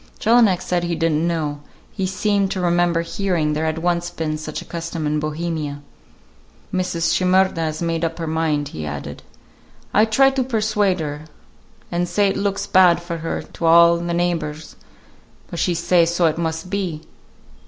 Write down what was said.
Jelinek said he did n't know; he seemed to remember hearing there had once been such a custom in Bohemia. "Mrs. Shimerda is made up her mind," he added. "I try to persuade her, and say it looks bad for her to all the neighbors; but she say so it must be.